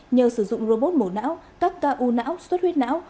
nhờ sử dụng robot mổ não các ca u não suất huyết não